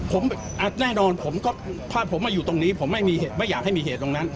ผมแน่นอนผมก็ถ้าผมมาอยู่ตรงนี้ผมไม่อยากให้มีเหตุตรงนั้น